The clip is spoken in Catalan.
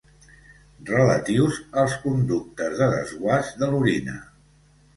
Relatius als conductes de desguàs de l'orina.